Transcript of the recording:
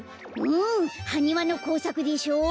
うんハニワのこうさくでしょ？